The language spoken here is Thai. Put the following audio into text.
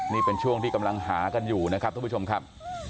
นี่เป็นช่วงที่กำลังหากันอยู่นะครับทุกผู้ชมครับ